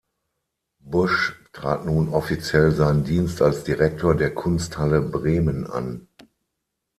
Busch trat nun offiziell seinen Dienst als Direktor der Kunsthalle Bremen an.